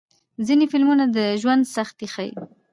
ځینې فلمونه د ژوند سختۍ ښيي.